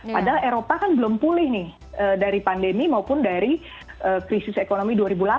padahal eropa kan belum pulih nih dari pandemi maupun dari krisis ekonomi dua ribu delapan